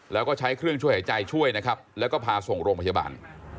แล้วก็ใช้เครื่องช่วยหายใจช่วยนะครับแล้วก็พาส่งโรงพยาบาล